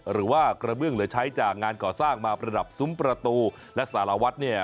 หรือว่ากระเบื้องเหลือใช้จากงานก่อสร้างมาประดับซุ้มประตูและสารวัตรเนี่ย